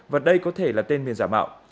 và đây có thể là tên miền giả mạo